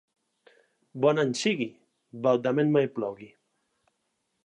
Bon any sigui, baldament mai plogui.